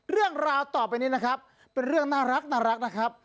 เรื่องราวต่อไปนี้นะครับเป็นเรื่องน่ารักนะครับ